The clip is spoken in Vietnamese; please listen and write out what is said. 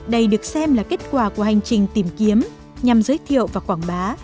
đây được xem là kết quả của hành trình tìm kiếm nhằm giới thiệu và quảng bá